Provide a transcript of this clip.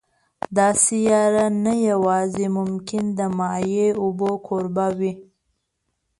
دا سیاره نه یوازې ممکن د مایع اوبو کوربه وي